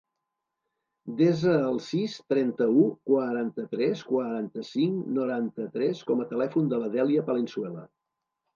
Desa el sis, trenta-u, quaranta-tres, quaranta-cinc, noranta-tres com a telèfon de la Dèlia Palenzuela.